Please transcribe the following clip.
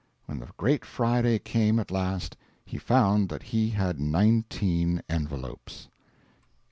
When the great Friday came at last, he found that he had nineteen envelopes.